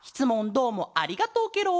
どうもありがとうケロ。